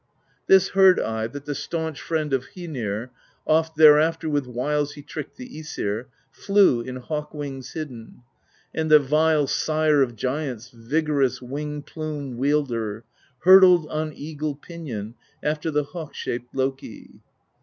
This heard I, that the Staunch Friend Of Hoenir — oft thereafter With wiles he tricked the iEsir — Flew, in hawk wings hidden; And the vile Sire of Giants, Vigorous Wing Plume Wielder, Hurtled on eagle pinion After the hawk shaped Loki.